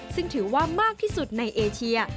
ซึ่งถือว่ามากที่สุดในเอเชีย